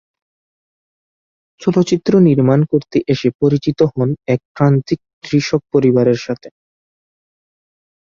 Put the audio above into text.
চলচ্চিত্র নির্মাণ করতে এসে পরিচিত হন এক প্রান্তিক কৃষক পরিবারের সাথে।